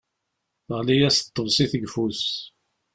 Teɣli-yas tḍebsit deg ufus.